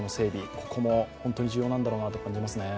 ここも本当に重要なんだろうなと感じますね。